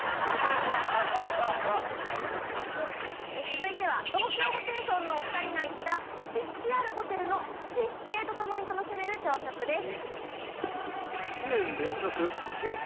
続いては東京ホテイソンのお２人が行った歴史あるホテルの絶景とともに楽しめる朝食です。